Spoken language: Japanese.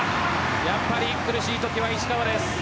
やっぱり苦しいときは石川です。